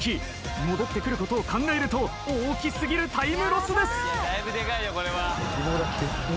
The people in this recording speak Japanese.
戻ってくることを考えると大き過ぎるタイムロスです。